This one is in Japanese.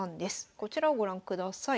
こちらをご覧ください。